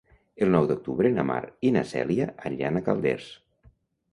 El nou d'octubre na Mar i na Cèlia aniran a Calders.